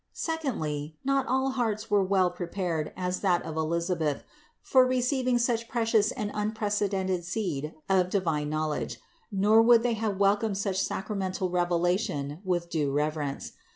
Secondly, not all hearts were so well prepared as that of Elisabeth for receiving such precious and unprecedented seed of divine knowledge, nor would they have welcomed such sacramental revelation with due reverence.